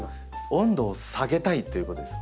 温度を下げたいということですね。